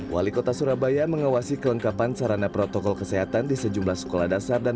wali kota surabaya mengawasi kelengkapan sarana protokol kesehatan di sejumlah sekolah dasar dan